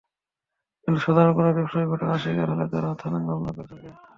কিন্তু সাধারণ কোনো ব্যবসায়ী ঘটনার শিকার হলে তাঁরা থানায় মামলা করে থাকেন।